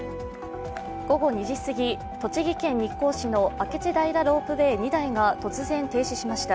午後２時過ぎ、栃木県日光市の明智平ロープウェイ２台が突然停止しました。